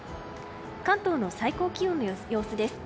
関東の最高気温の様子です。